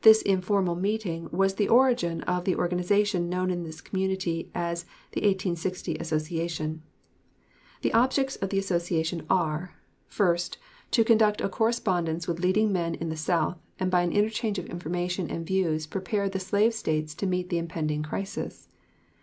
This informal meeting was the origin of the organization known in this community as "The 1860 Association." The objects of the Association are: First. To conduct a correspondence with leading men in the South and by an interchange of information and views prepare the slave States to meet the impending crisis.